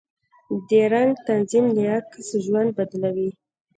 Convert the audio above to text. د رنګ تنظیم د عکس ژوند بدلوي.